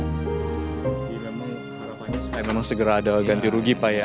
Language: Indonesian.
ya memang harapannya supaya memang segera ada ganti rugi pak ya